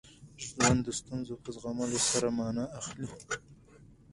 ژوند د ستونزو په زغمولو سره مانا اخلي.